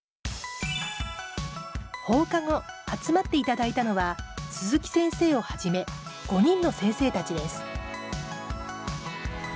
放課後集まっていただいたのは鈴木先生をはじめ５人の先生たちです